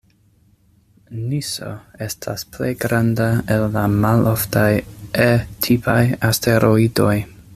Niso estas plej granda el la maloftaj E-tipaj asteroidoj.